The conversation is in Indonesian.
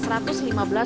se untuk kementres